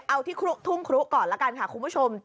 เอาที่ทุ่งครุก่อนละกันค่ะคุณผู้ชม